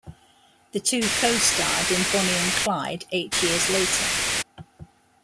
The two co-starred in "Bonnie and Clyde" eight years later.